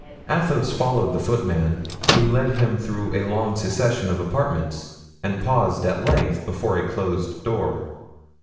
Athos followed the footman, who led him through a long succession of apartments and paused at length before a closed door.